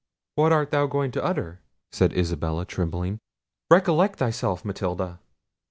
"What art thou going to utter?" said Isabella trembling. "Recollect thyself, Matilda."